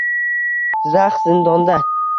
zax zindonda